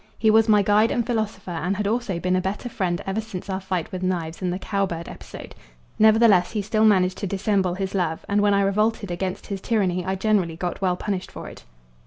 He was my guide and philosopher, and had also been a better friend ever since our fight with knives and the cowbird episode; nevertheless he still managed to dissemble his love, and when I revolted against his tyranny I generally got well punished for it.